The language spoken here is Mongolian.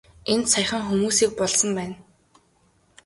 Энд саяхан хүмүүсийг булсан байна.